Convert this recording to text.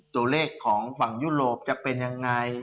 ตัวเลขของฝั่งยุโรปจะเป็นยังไง